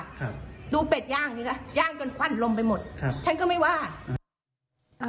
ดูเป็ดย่างนี่ย่างจนควั่นลมไปหมดฉันก็ไม่ว่า